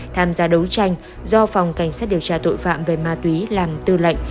tham gia đấu tranh do phòng cảnh sát điều tra tội phạm về ma túy làm tư lệnh